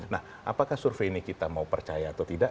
nah apakah survei ini kita mau percaya atau tidak